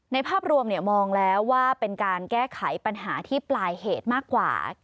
ภาพรวมมองแล้วว่าเป็นการแก้ไขปัญหาที่ปลายเหตุมากกว่า